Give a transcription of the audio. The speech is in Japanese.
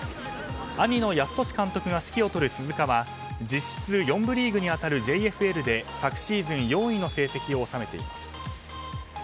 兄の泰年監督が指揮を執る鈴鹿は実質４部リーグに当たるＪＦＬで昨シーズン４位の成績を収めています。